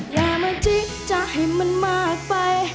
อย่ามาจิกจะให้มันมากไป